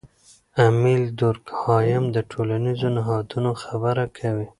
امیل دورکهایم د ټولنیزو نهادونو خبره کوي.